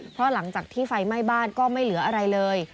เพราะหลังจากที่ไฟไหม้บ้านก็ไม่เหลืออะไรเลย